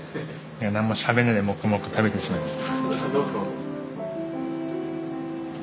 何もしゃべんないで黙々食べてしまいます。